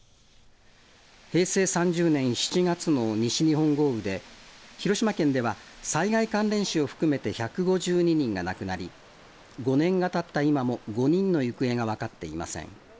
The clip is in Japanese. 平成３０年７月の西日本豪雨で広島県では災害関連死を含めて１５２人が亡くなり５年が経った今も５人の行方が分かっていません。